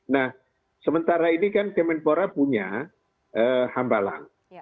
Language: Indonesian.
nah sementara ini kan kemenpora punya hambalang